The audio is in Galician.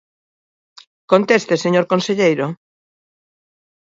Conteste, señor conselleiro.